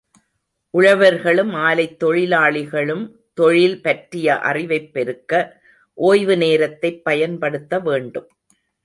உழவர்களும் ஆலைத் தொழிலாளிகளும் தொழில் பற்றிய அறிவைப் பெருக்க, ஒய்வு நேரத்தைப் பயன்படுத்த வேண்டும்.